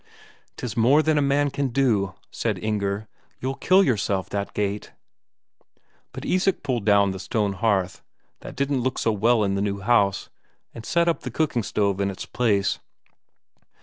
"'Tis more than a man can do," said Inger. "You'll kill yourself that gait." But Isak pulled down the stone hearth, that didn't look so well in the new house, and set up the cooking stove in its place.